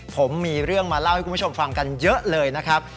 ผมมีเรื่องมาเล่าให้คุณผู้ชมฟังกันเยอะเลยนะครับ